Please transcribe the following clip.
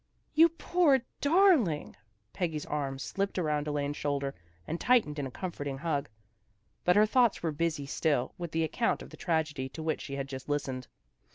" You poor darling! " Peggy's arm slipped A PATHETIC STORY 251 around Elaine's shoulder, and tightened in a comforting hug. But her thoughts were busy still with the account of the tragedy to which she had just listened.